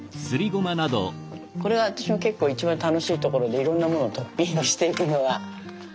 これが私の結構一番楽しいところでいろんなものをトッピングしていくのが。